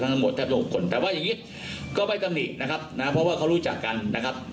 ทั้งทั้งหมดแทบ๖คนแต่ว่าอย่างงี้ก็ไม่ต้องหนีนะครับนะครับเพราะว่าเขารู้จักกันนะครับ